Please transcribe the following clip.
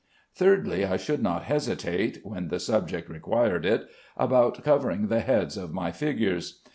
Thirdly, I should not hesitate (when the subject required it) about covering the heads of my figures.